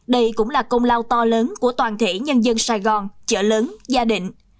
đây cũng là công lao to lớn của toàn thể nhân dân sài gòn chợ lớn gia định